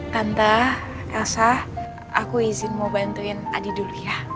tante rasa aku izin mau bantuin adi dulu ya